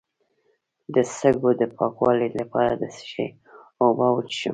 د سږو د پاکوالي لپاره د څه شي اوبه وڅښم؟